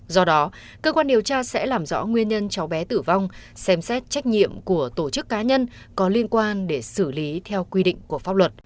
do đó cơ quan điều tra sẽ làm rõ nguyên nhân cháu bé tử vong xem xét trách nhiệm của tổ chức cá nhân có liên quan để xử lý theo quy định của pháp luật